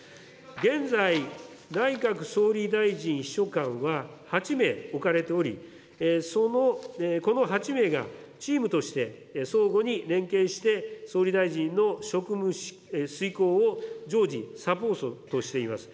現在、内閣総理大臣秘書官は８名置かれており、その、この８名がチームとして相互に連携して総理大臣の職務遂行を常時、サポートしています。